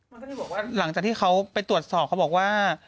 มันก็เลยบอกว่าหลังจากที่เขาไปตรวจสอบเขาบอกว่า